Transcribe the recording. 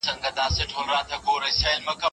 د روغتیا نړیواله ټولنه راپور ورکړ.